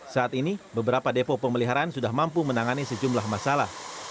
saat ini beberapa depo pemeliharaan sudah mampu menangani sejumlah masalah